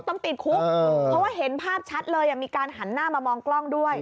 เพราะว่าเห็นภาพชัดเลยมีการหันหน้ามามองกล้องด้วย